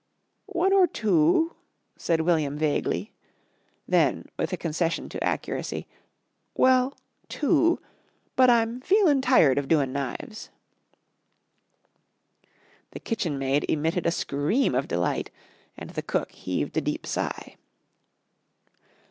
"One or two," said William vaguely, then with a concession to accuracy, "well, two. But I'm feeling tired of doin' knives." The kitchen maid emitted a scream of delight and the cook heaved a deep sigh.